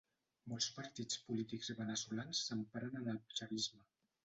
Molts partits polítics veneçolans s'emparen en el chavisme.